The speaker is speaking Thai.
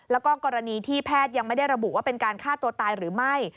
แล้วก็กรณีที่แพทย์ยังไม่ได้ระบุว่าเป็นการฆ่าตัวตายหรือไม่